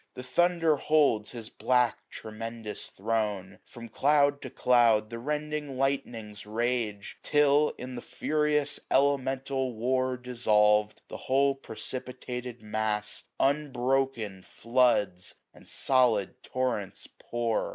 The Thunder holds his black tremendous throne : From cloud to cloud the rending Lightnings rage ; Till, in the furious elemental war 800 Dissolv'd, the whole precipitated mass Unbroken floods and solid torrents pour.